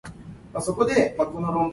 扲